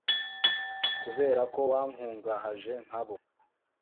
kubera ko wankungahaje nka bo